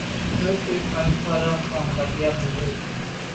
Me be kum mfelàlà fotngab nyàm nke mbwe.